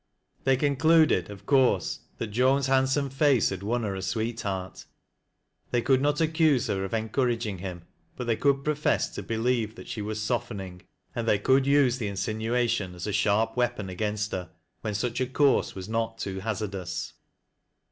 They concluded, of course, that Joan's handsome face had won her a sweetheart. They could not accuse her of encouraging him ; but they could jorofess to believe that she was softening, and they could use the insinuation as a sharp weapon against her, when such a course was not too hazardous.